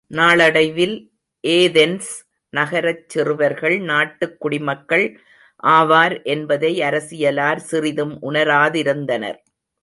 நாளடைவில் ஏதென்ஸ் நகரச் சிறுவர்கள் நாட்டுக் குடிமக்கள் ஆவர் என்பதை அரசியலார் சிறிதும் உணராதிருந்தனர்.